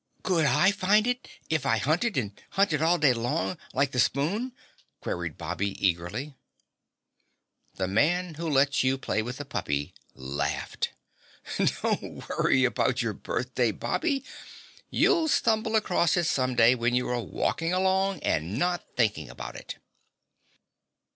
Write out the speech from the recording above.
"Could I find it if I hunted and hunted all day long, like the spoon?" queried Bobby eagerly. The Man Who Lets You Play with the Puppy laughed. "Don't worry about your birthday, Bobby. You'll stumble across it some day when you are walking along and not thinking about it."